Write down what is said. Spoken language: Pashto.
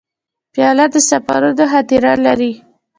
پیاله د سفرونو خاطره لري.